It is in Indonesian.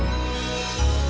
sampai jumpa lagi